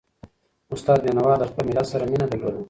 استاد بينوا د خپل ملت سره مینه درلوده.